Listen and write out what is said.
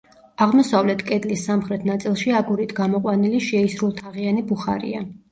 აღმოსავლეთ კედლის სამხრეთ ნაწილში აგურით გამოყვანილი შეისრულთაღიანი ბუხარია.